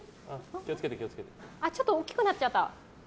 ちょっと大きくなっちゃった。